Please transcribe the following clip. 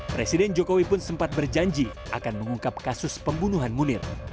presiden jokowi pun sempat berjanji akan mengungkap kasus pembunuhan munir